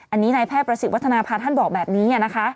อันนี้นายแพทย์ประสิทธิวัฒนภาท่านบอกแบบนี้นะคะ